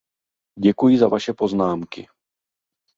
Děkuji za vaše poznámky.